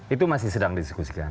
itu masih sedang diskusikan